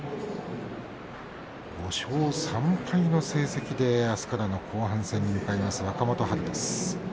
５勝３敗の成績であすからの後半戦に向かう若元春です。